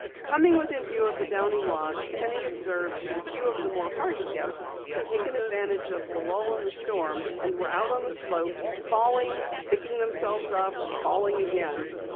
Coming within view of the Downey lodge, Penny observed that a few of the more hardy guests had taken advantage of the lull in the storm, and were out on the slopes, falling, picking themselves up, falling again.